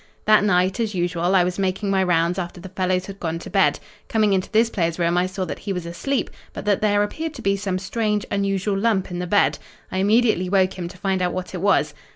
"That night, as usual, I was making my rounds after the fellows had gone to bed. Coming into this player's room I saw that he was asleep, but that there appeared to be some strange, unusual lump in the bed. I immediately woke him to find out what it was.